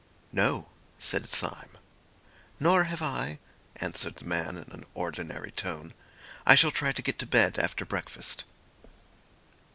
"No," said Syme. "Nor have I," answered the man in an ordinary tone. "I shall try to get to bed after breakfast."